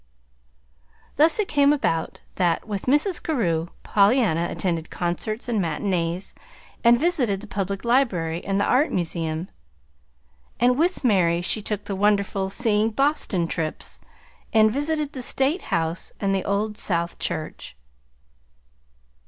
Thus it came about that, with Mrs. Carew, Pollyanna attended concerts and matinees, and visited the Public Library and the Art Museum; and with Mary she took the wonderful "seeing Boston" trips, and visited the State House and the Old South Church.